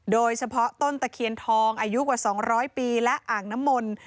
โดยเฉพาะต้นตะเคียนทองอายุกว่า๒๐๐ปีและอ่างน้ำมนต์